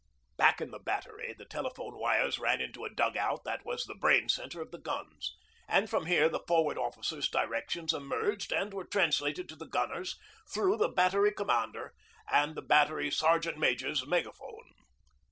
Back in the Battery the telephone wires ran into a dug out that was the brain centre of the guns, and from here the Forward Officer's directions emerged and were translated to the gunners through the Battery Commander and the Battery Sergeant Major's megaphone.